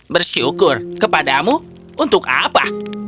bersyukur kepadamu untuk apa